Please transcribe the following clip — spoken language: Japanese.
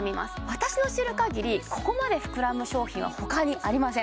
私の知るかぎりここまで膨らむ商品は他にありません